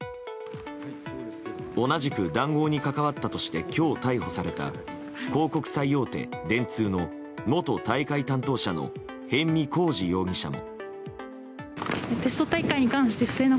同じく談合に関わったとして今日逮捕された広告最大手・電通の元大会担当者の逸見晃治容疑者も。